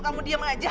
kamu diam aja